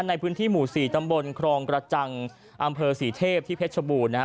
ในพื้นที่หมู่๔ตำบลครองกระจังอำเภอศรีเทพที่เพชรชบูรณนะครับ